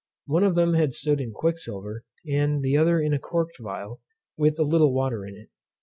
One of them had stood in quicksilver, and the other in a corked phial, with a little water in it.